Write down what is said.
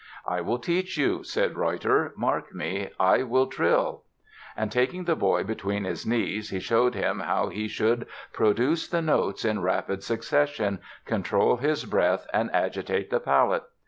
'I will teach you', said Reutter; 'mark me, I will trill'; and taking the boy between his knees, he showed him how he should produce the notes in rapid succession, control his breath, and agitate the palate.